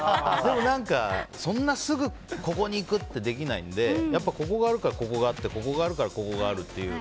も、そんなすぐここに行くってできないのでやっぱここがあるからここがあってここがあるからここがあるっていう。